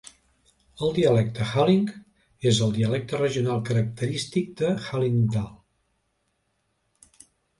El dialecte Halling és el dialecte regional característic de Hallingdal.